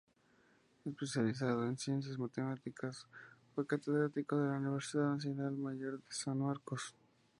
Especializado en Ciencias Matemáticas, fue catedrático de la Universidad Nacional Mayor de San Marcos.